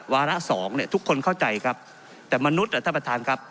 วาระ๒ทุกคนเข้าใจครับแต่มนุษย์ท่านประธานครับ